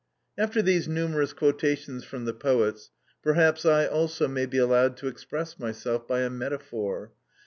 After these numerous quotations from the poets, perhaps I also may be allowed to express myself by a metaphor.